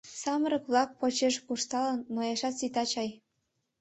Самырык-влак почеш куржталын, нояшат сита чай.